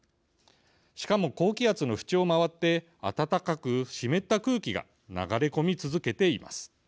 しかも、高気圧の縁を回って暖かく湿った空気が流れ込み続けています。